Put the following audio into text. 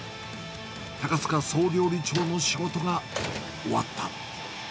高塚総料理長の仕事が終わった。